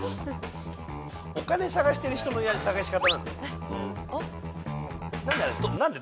お金探してる人の探し方。